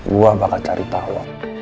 gue bakal cari tau